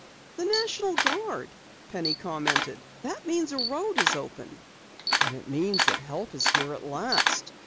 "The National Guard," Penny commented. "That means a road is open." "And it means that help is here at last!"